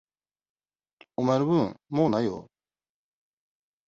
お前の分、もう無いよ。